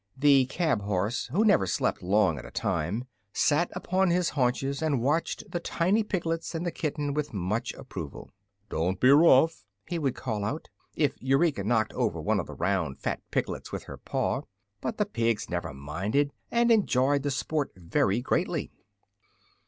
The cab horse, who never slept long at a time, sat upon his haunches and watched the tiny piglets and the kitten with much approval. "Don't be rough!" he would call out, if Eureka knocked over one of the round, fat piglets with her paw; but the pigs never minded, and enjoyed the sport very greatly.